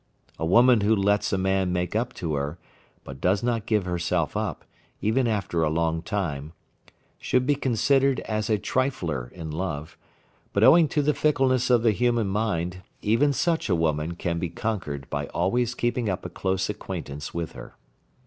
A woman who lets a man make up to her, but does not give herself up, even after a long time, should be considered as a trifler in love, but owing to the fickleness of the human mind, even such a woman can be conquered by always keeping up a close acquaintance with her.